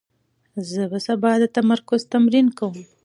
زه به سبا د تمرکز تمرین کوم.